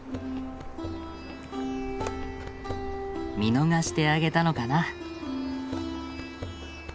見逃してあげたのかな。